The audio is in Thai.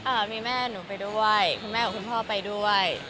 มีแม่หนูไปด้วยคุณแม่กับคุณพ่อไปด้วย